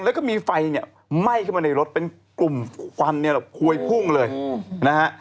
แล้วก็มีไฟใม่ขึ้นมาในรถเป็นกลุ่มฟันหวยพุ่งเลยนะฮะ